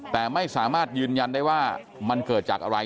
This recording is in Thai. แต่ไม่สามารถยืนยันได้ว่ามันเกิดจากอะไร